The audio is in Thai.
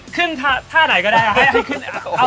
ขึ้นต้นท่าดีเลยไหม